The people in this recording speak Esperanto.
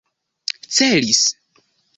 celis